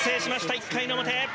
１回の表。